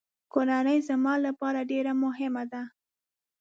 کورنۍ زما لپاره ډېره مهمه ده.